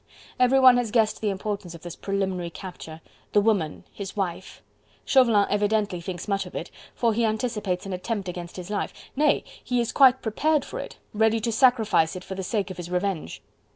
Everyone has guessed the importance of this preliminary capture: "the woman his wife." Chauvelin evidently thinks much of it, for he anticipates an attempt against his life, nay! he is quite prepared for it, ready to sacrifice it for the sake of his revenge.